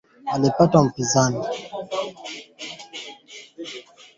Rais Mteule wa Somalia amepokea kwa furaha taarifa ya Marekani kupambana dhidi ya magaidi